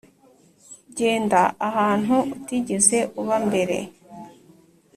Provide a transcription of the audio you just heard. genda ahantu utigeze uba mbere.